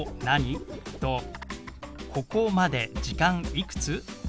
「何？」と「ここまで」「時間」「いくつ？」。